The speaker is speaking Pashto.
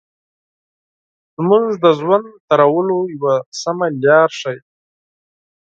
لمونځ د ژوند تېرولو یو سمه لار ښيي.